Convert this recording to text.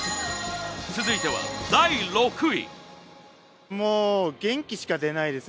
続いては第６位。